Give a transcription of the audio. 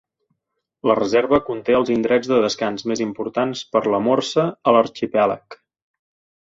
La reserva conté els indrets de descans més importants per a la morsa a l'arxipèlag.